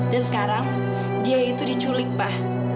dan sekarang dia itu diculik pak